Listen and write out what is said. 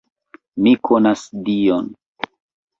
Mi konas Dion!